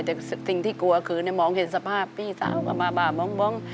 แต่สิ่งที่กลัวคือมองเห็นสภาพพี่สาวก็มาบ้ามอง